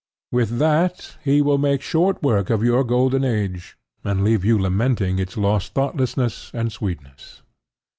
With that, he will make short work of your golden age, and leave you lamenting its lost thoughtlessness and sweetness.